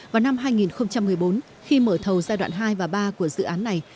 vào năm hai nghìn một mươi bốn khi mở thầu giai đoạn hai và ba của dự án này